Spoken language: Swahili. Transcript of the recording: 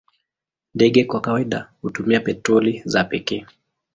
Ndege kwa kawaida hutumia petroli za pekee.